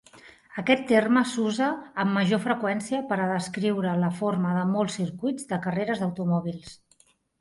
Aquest terme s'usa amb major freqüència per a descriure la forma de molts circuits de carreres d'automòbils.